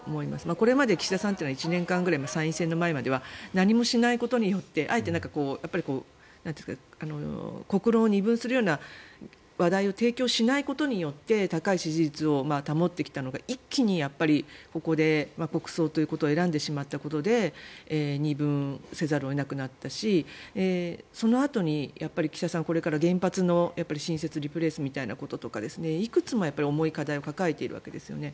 これまで岸田さんというのは１年間くらい、参院選までは何もしないことによってあえて国論を二分するような話題を提供しないことによって高い支持率を保ってきたのが一気にここで、国葬ということを選んでしまったことで二分せざるを得なくなったしそのあとに、岸田さんはこれから原発の新設、リプレースみたいないくつも重い課題を抱えているわけですよね。